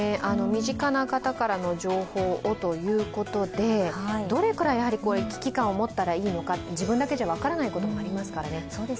身近な方からの情報をということでどれくらい危機感を持ったらいいのか自分だけじゃ分からないこともありますからね。